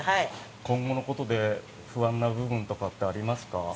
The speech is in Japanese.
今後のことで不安な部分ってありますか？